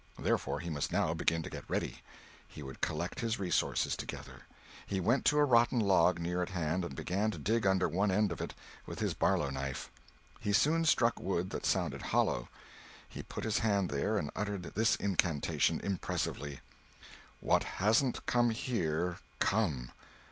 Therefore he must now begin to get ready. He would collect his resources together. He went to a rotten log near at hand and began to dig under one end of it with his Barlow knife. He soon struck wood that sounded hollow. He put his hand there and uttered this incantation impressively: "What hasn't come here, come!